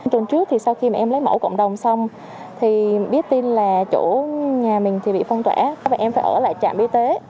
trường trước thì sau khi mà em lấy mẫu cộng đồng xong thì biết tin là chỗ nhà mình thì bị phong tỏa và em phải ở lại trạm y tế